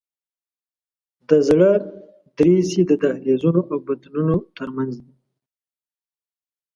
د زړه دریڅې د دهلیزونو او بطنونو تر منځ دي.